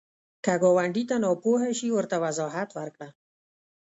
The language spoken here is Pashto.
که ګاونډي ته ناپوهه شي، ورته وضاحت ورکړه